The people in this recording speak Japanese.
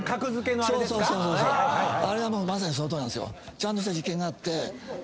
ちゃんとした実験があって。